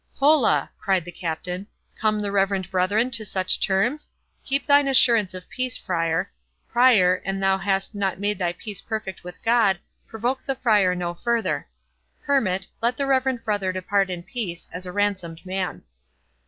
"Hola!" cried the Captain, "come the reverend brethren to such terms?—Keep thine assurance of peace, Friar.—Prior, an thou hast not made thy peace perfect with God, provoke the Friar no further.—Hermit, let the reverend father depart in peace, as a ransomed man."